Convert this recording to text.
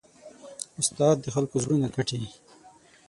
استاد د خلکو زړونه ګټي.